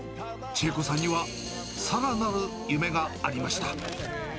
千恵子さんにはさらなる夢がありました。